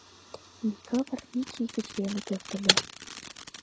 Микывыр вич ий гыч веле пӧртыльӧ.